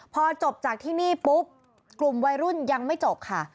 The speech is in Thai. พอจบจากที่นี่ปุ๊บกลุ่มวัยรุ่นยังไม่จบค่ะ